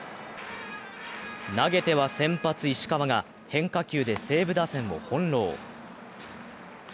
投げては、先発・石川が変化球で西武打線を翻弄。